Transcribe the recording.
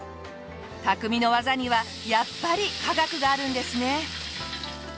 匠の技にはやっぱり科学があるんですね。